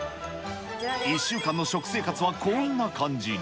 １週間の食生活はこんな感じに。